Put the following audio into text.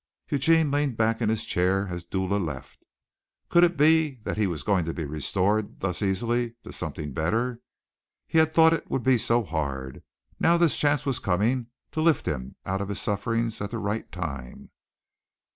Eugene leaned back in his chair as Dula left. Could it be that he was going to be restored thus easily to something better? He had thought it would be so hard. Now this chance was coming to lift him out of his sufferings at the right time.